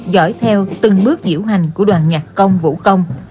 giỏi theo từng bước diễu hành của đoàn nhạc công vũ công